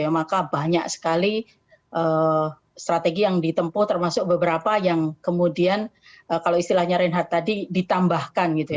maka banyak sekali strategi yang ditempuh termasuk beberapa yang kemudian kalau istilahnya reinhardt tadi ditambahkan gitu ya